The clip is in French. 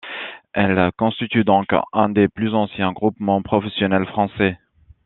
Elle constitue donc un des plus anciens groupements professionnels français.